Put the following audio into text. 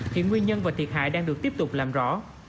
hiện nguyên nhân và thiệt hại đang được tiếp tục làm rõ